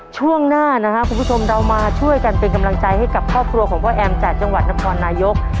ช่วงหน้านะครับคุณผู้ชมเรามาช่วยกันเป็นกำลังใจให้กับครอบครัวของพ่อแอมจากจังหวัดนครนายก